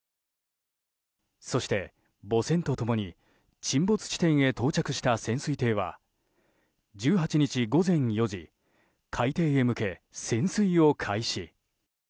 そして、母船と共に沈没地点へ到達した潜水艇は１８日、午前４時海底へ向け潜水を開始。